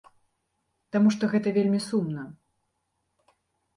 Таму што гэта вельмі сумна.